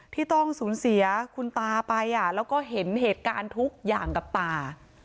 ที่ต้องสูญเสียคุณตาไปแล้วก็เห็นเหตุการณ์ทุกอย่างกับตา